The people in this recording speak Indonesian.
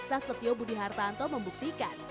kisah setio budi hartanto membuktikan